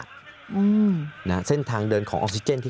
สามารถรู้ได้เลยเหรอคะ